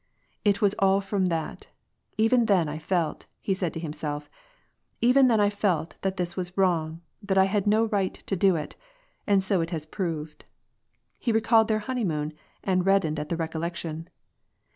" It was all from that. Even then I felt," said he to him self, " even then I felt that this was wrong, that I had no right to do it, and so it has proved." He recalled their honeymoon, and reddened at the recollec tion.